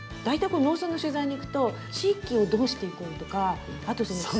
大体農村の取材に行くと地域をどうしていこうとかあと。